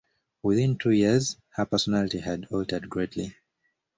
Within two years, her personality had altered greatly.